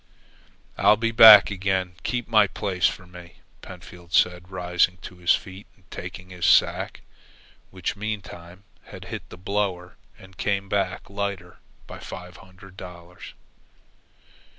"I'll be back again; keep my place for me," Pentfield said, rising to his feet and taking his sack, which meantime had hit the blower and came back lighter by five hundred dollars.